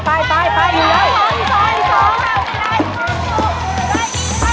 สุดท้ายแล้วสุดท้ายแล้ว